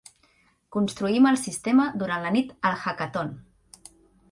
Construïm el sistema durant la nit al Hackathon.